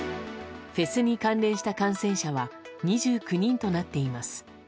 フェスに関連した感染者は２９人となっています。